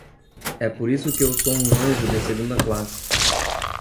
É por isso que eu sou um anjo de segunda classe.